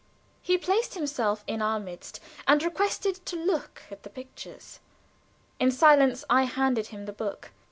He placed himself in our midst, and requested to look at the pictures. In silence I handed him the book.